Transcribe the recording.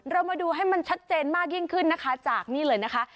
เรามาดูให้มันชัดเจนมากยิ่งขึ้นนะคะจากนี่เลยนะคะ